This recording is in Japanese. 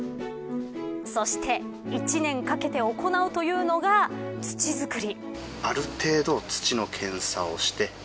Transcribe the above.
そして１年かけて行うというのが土作り。